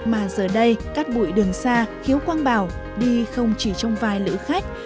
mà giờ đây cắt bụi đường xa khiếu quang bảo đi không chỉ trong vài lữ khách